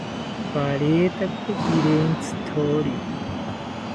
Paretakari pirentzithori